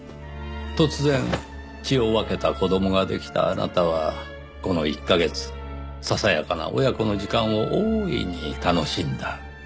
突然血を分けた子供ができたあなたはこの１カ月ささやかな親子の時間を大いに楽しんだ。